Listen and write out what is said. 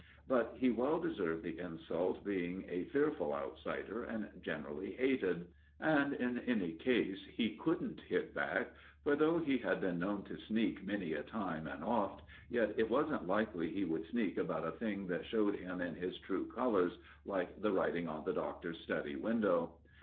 But he well deserved the insult, being a fearful outsider and generally hated; and, in any case, he couldn't hit back, for though he had been known to sneak many a time and oft, yet it wasn't likely he would sneak about a thing that showed him in his true colours, like the writing on the Doctor's study window.